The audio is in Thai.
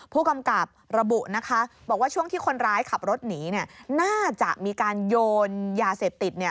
ผู้กำกับระบุนะคะบอกว่าช่วงที่คนร้ายขับรถหนีน่าจะมีการโยนยาเสพติด